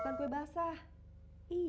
bukan kue basahnya